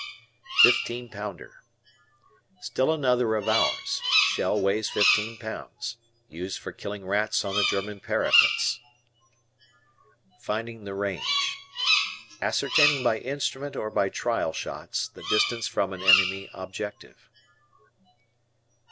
"Fifteen pounder." Still another of ours; shell weighs fifteen pounds. Used for killing rats on the German parapets. "Finding the range." Ascertaining by instrument or by trial shots the distance from an enemy objective.